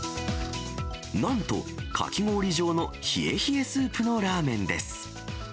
なんと、かき氷状の冷え冷えスープのラーメンです。